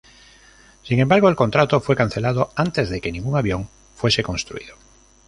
Sin embargo, el contrato fue cancelado antes de que ningún avión fuese construido.